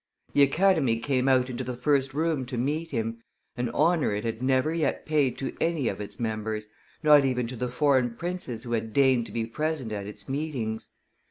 The Academy came out into the first room to meet him, an honor it had never yet paid to any of its members, not even to the foreign princes who had deigned to be present at its meetings.